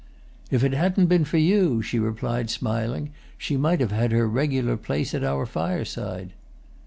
"If it hadn't been for you," she replied, smiling, "she might have had her regular place at our fireside."